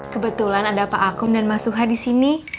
kebetulan ada pak akum dan mas suha disini